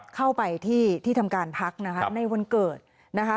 เข้าไปที่ที่ทำการพักนะคะในวันเกิดนะคะ